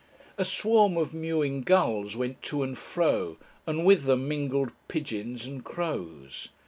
A swarm of mewing gulls went to and fro, and with them mingled pigeons and crows.